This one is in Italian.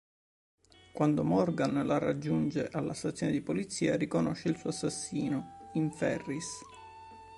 Quando Morgan la raggiunge alla stazione di polizia, riconosce il suo assassino in Ferris.